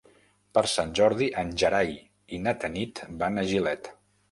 Per Sant Jordi en Gerai i na Tanit van a Gilet.